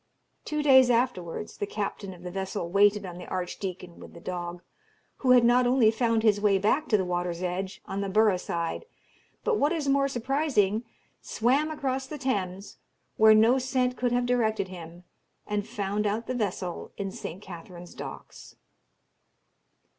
Two days afterwards the captain of the vessel waited on the Archdeacon with the dog, who had not only found his way back to the water's edge, on the Borough side, but, what is more surprising, swam across the Thames, where no scent could have directed him, and found out the vessel in St. Katherine's Docks.